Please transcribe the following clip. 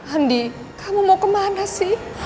andi kamu mau kemana sih